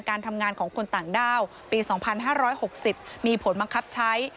การทำงานของคนต่างด้าวปี๒๕๖๐มีผลบังคับใช้